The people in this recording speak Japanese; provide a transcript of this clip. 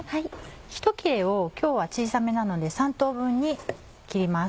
１切れを今日は小さめなので３等分に切ります。